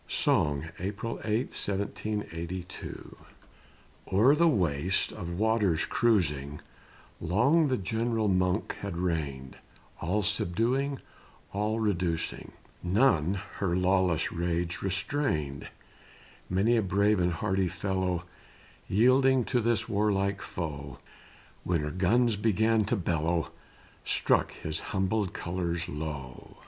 SONG ON CAPTAIN BARNEY'S VICTORY OVER THE SHIP GENERAL MONK [April 8, 1782] O'er the waste of waters cruising, Long the General Monk had reigned; All subduing, all reducing, None her lawless rage restrained: Many a brave and hearty fellow Yielding to this warlike foe, When her guns began to bellow Struck his humbled colors low.